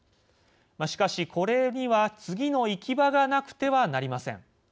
しかし、これには次の行き場がなくてはなりません。